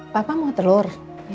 papa mau telur